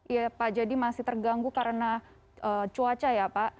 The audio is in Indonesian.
ya pak jadi masih terganggu karena cuaca ya pak